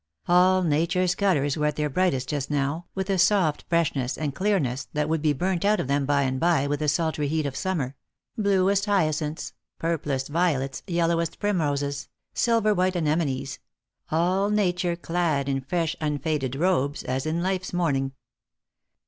All Nature's colours were at their brightest just now, with a soft freshness and clear ness that would be burnt out of them by and by with the sultry heat of summer — bluest hyacinths, purplest violets yellowest primroses, silver white anemones — all nature clad in fresh unfaded robes, as in life's morning.